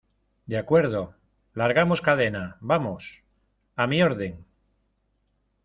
de acuerdo. ¡ largamos cadena, vamos! ¡ a mi orden !